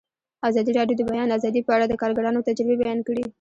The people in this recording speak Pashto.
ازادي راډیو د د بیان آزادي په اړه د کارګرانو تجربې بیان کړي.